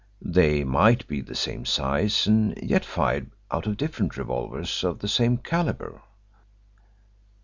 They might be the same size, and yet be fired out of different revolvers of the same calibre."